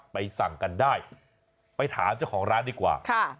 สั่งกันได้ไปถามเจ้าของร้านดีกว่า